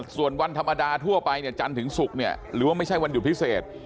ส่วนวันธรรมดาทั่วไปเนี่ยจันทร์ถึงศุกร์เนี่ยหรือว่าไม่ใช่วันหยุดพิเศษ